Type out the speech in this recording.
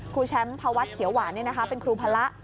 ครูแชมป์ภาวัฒน์เขียวหวานเป็นครูพระ